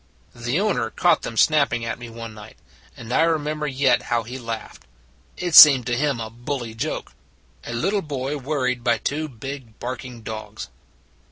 The owner caught them snapping at me one night; and I remember yet how he laughed. It seemed to him a bully joke a little boy worried by two big barking dogs.